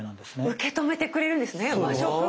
受け止めてくれるんですね和食を！